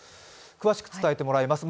詳しく伝えてもらいます。